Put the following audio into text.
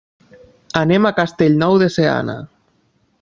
Anem a Castellnou de Seana.